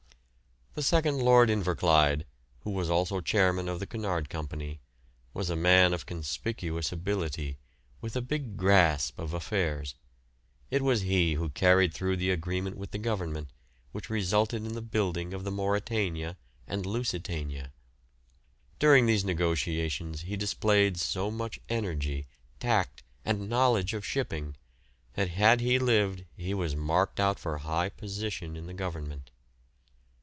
The second Lord Inverclyde, who was also chairman of the Cunard Company, was a man of conspicuous ability, with a big grasp of affairs. It was he who carried through the agreement with the Government, which resulted in the building of the "Mauretania" and "Lusitania." During these negotiations he displayed so much energy, tact, and knowledge of shipping, that had he lived he was marked out for high position in the Government.